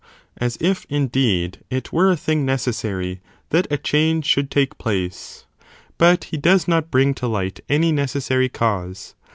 As if, indeed, it were a thing necessary that a change should take place ; but he does not bring to light any necessary caiise.